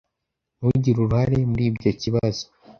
Ntugire uruhare muri ibyo kibazo.